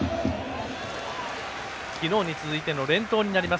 昨日に続いての連投になります。